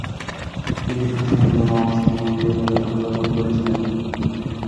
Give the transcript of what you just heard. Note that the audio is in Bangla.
তিনি ভাষা আন্দোলন সক্রিয়ভাবে অংশগ্রহণ করেছিলেন।